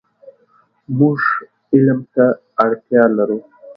مونږ علم ته اړتیا لرو .